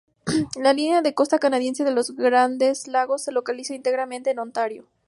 La línea de costa canadiense de los Grandes Lagos se localiza íntegramente en Ontario.